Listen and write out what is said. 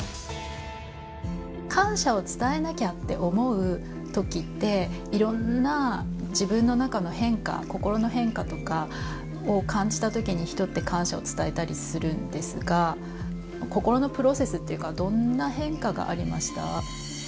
感謝を伝えなきゃって思う時っていろんな自分の中の変化心の変化とかを感じた時に人って感謝を伝えたりするんですが心のプロセスっていうかどんな変化がありました？